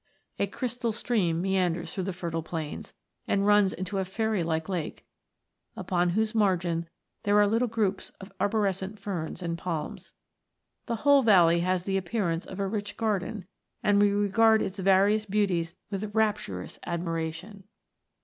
A crystal stream mean ders through the fertile plains, and runs into a fairy like lake, upon whose margin there are little groups of arborescent ferns and palms. The whole valley has the appearance of a rich garden, and we regard its varied beauties with rapturous admi ration.